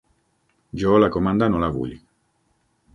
Jo la comanda no la vull.